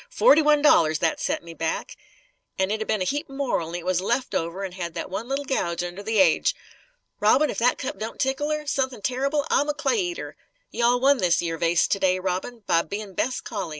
"Forty one dollars, that set me back. An' it'd a' been a heap more, only it was a left over, an' had that one little gouge under the aidge. Robin, if that cup don't tickle her, suthin' terrible, I'm a clay eater! You all won this yer vase, to day, Robin; by bein' 'best collie.